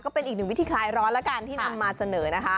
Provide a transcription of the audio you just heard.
ก็เป็นอีกหนึ่งวิธีคลายร้อนแล้วกันที่นำมาเสนอนะคะ